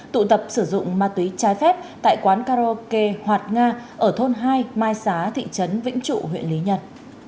tụ tập sử dụng ma túy trái phép tại quán karaoke hoạt nga ở thôn hai mai xá thị trấn vĩnh trụ huyện lý nhân